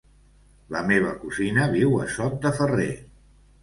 La meva cosina viu a Sot de Ferrer.